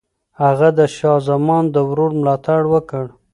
هغه د شاه زمان د ورور ملاتړ وکړ.